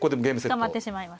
捕まってしまいますね。